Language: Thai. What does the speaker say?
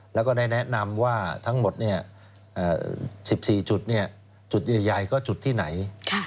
แล้วก็ได้แนะนำว่าทั้งหมด๑๔จุดจุดใหญ่ก็จุดที่ไหน